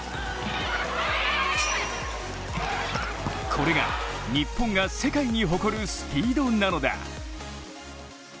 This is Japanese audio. これが、日本が世界に誇るスピードなのだ。